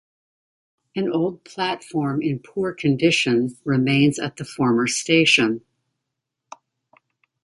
An old platform in poor condition remains at the former station.